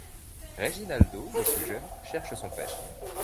Reginaldo, le plus jeune, cherche son père.